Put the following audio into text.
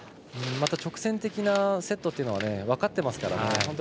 また直線的なセットというのは分かってますからね。